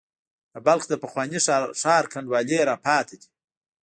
د بلخ د پخواني ښار کنډوالې را پاتې دي.